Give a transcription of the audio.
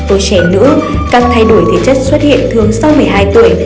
ở trẻ nữ các thay đổi thể chất xuất hiện thường sau một mươi hai tuổi